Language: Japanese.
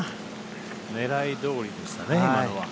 狙い通りでしたね、今のは。